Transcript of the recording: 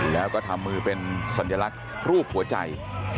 แล้วก็ทำมือเป็นสัญลักษณ์รูปหัวใจ